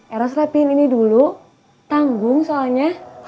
eros rapiin ini dulu tanggung soalnya